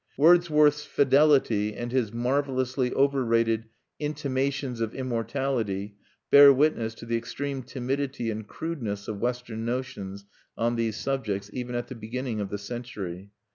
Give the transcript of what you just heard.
Wordsworth's "Fidelity" and his marvelously overrated "Intimations of Immortality" bear witness to the extreme timidity and crudeness of Western notions on these subjects even at the beginning of the century.